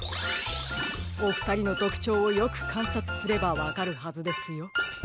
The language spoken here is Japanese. おふたりのとくちょうをよくかんさつすればわかるはずですよ。